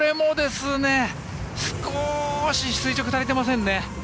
少し垂直に足りていませんね。